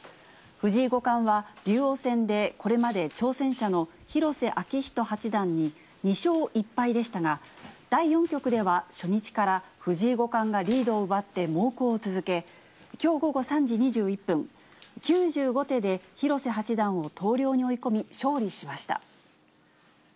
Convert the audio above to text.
藤井五冠は竜王戦で、これまで挑戦者の広瀬章人八段に２勝１敗でしたが、第４局では初日から藤井五冠がリードを奪って猛攻を続け、きょう午後３時２１分、９５手で広瀬八段を投了に追い込み、勝利しました。